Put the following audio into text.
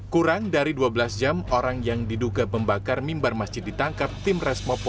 kurang dari dua belas jam orang yang diduga membakar mimbar masjid ditangkap tim resmopo